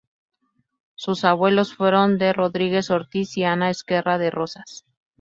Sus abuelos fueron D. Rodrigo Ortiz y Ana Ezquerra de Rozas.